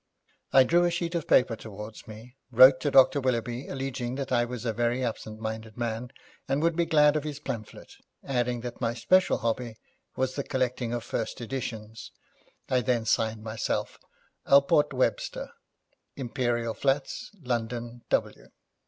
I drew a sheet of paper towards me, wrote to Dr. Willoughby alleging that I was a very absent minded man, and would be glad of his pamphlet, adding that my special hobby was the collecting of first editions. I then signed myself, 'Alport Webster, Imperial Flats, London, W.'